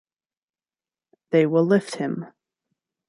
They will lift him.